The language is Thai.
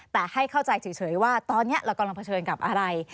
แต่ให้เข้าใจเฉยว่าตอนนี้เรากำลังเผชิญกับอะไร